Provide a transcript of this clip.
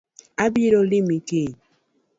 Abiro limi kiny